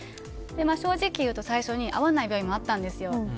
正直言うと最初に合わない病院もあったんですよ。